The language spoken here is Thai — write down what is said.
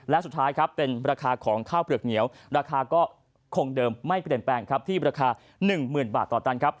และสุดท้ายครับเป็นราคาของข้าวเปลือกเหนียวราคาก็คงเดิมไม่เปลี่ยนแปลงครับที่ราคา๑๐๐๐บาทต่อตันครับ